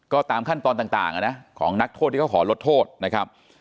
ก็ตามขั้นตอนต่างของนักโทษที่เขาขอลดโทษนะครับ